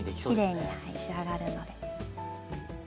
きれいに仕上がるので。